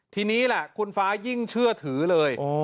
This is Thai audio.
ทีนี้แหละคุณฟ้ายิ่งเชื่อถือเลย